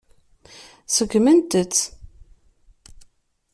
Seggment-t.